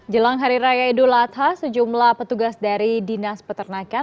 jelang hari raya idul adha sejumlah petugas dari dinas peternakan